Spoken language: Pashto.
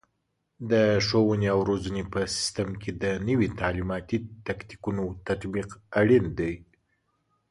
د ښوونې او روزنې په سیستم کې د نوي تعلیماتي تکتیکونو تطبیق اړین دی.